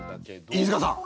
飯塚さん！